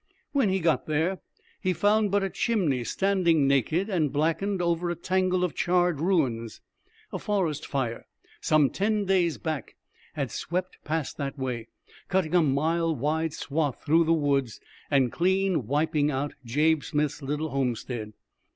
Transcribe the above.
When he got there, he found but a chimney standing naked and blackened over a tangle of charred ruins. A forest fire, some ten days back, had swept past that way, cutting a mile wide swath through the woods and clean wiping out Jabe Smith's little homestead.